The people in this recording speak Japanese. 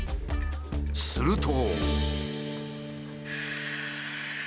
すると。